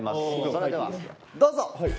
それではどうぞ！